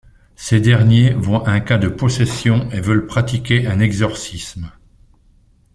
Ces derniers voient un cas de possession et veulent pratiquer un exorcisme.